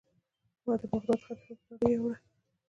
ما د بغداد خلیفه ته ډالۍ یووړه.